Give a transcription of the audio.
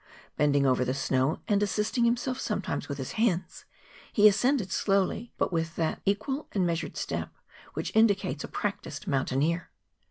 Bending over the snow, and assisting himself sometimes with his hands, he ascended slowly, but with that equal and measured step which indicates a practised • moun¬ taineer.